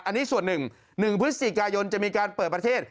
อันนี้ส่วนหนึ่ง๑พฤศจิกายนจะมีการเปิดประเทศ